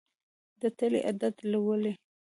د تلې عدد لولي.